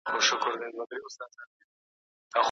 افغان نجونې غواړي چې په هېواد کې سوله او پوهه وي.